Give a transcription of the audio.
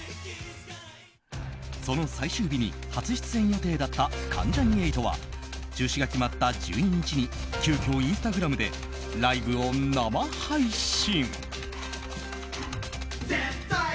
その最終日に初出演予定だった関ジャニ∞は中止が決まった１２日に急きょインスタグラムでライブを生配信。